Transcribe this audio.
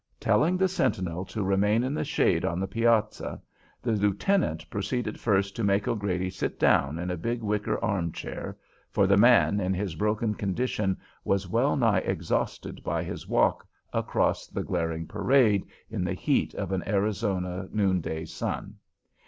Telling the sentinel to remain in the shade on the piazza, the lieutenant proceeded first to make O'Grady sit down in a big wicker arm chair, for the man in his broken condition was well nigh exhausted by his walk across the glaring parade in the heat of an Arizona noonday sun.